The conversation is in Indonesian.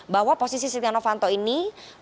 bahwa posisi setia novanto ini